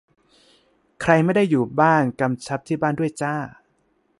ใครไม่ได้อยู่บ้าน กำชับที่บ้านด้วยจ้า